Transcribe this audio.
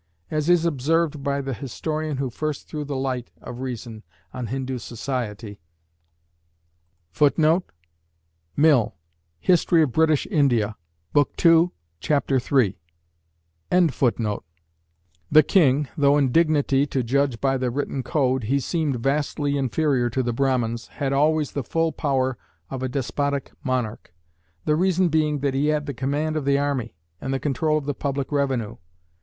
As is observed by the historian who first threw the light of reason on Hindoo society, the king, though in dignity, to judge by the written code, he seemed vastly inferior to the Brahmins, had always the full power of a despotic monarch: the reason being that he had the command of the army, and the control of the public revenue.